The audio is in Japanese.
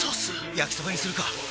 焼きそばにするか！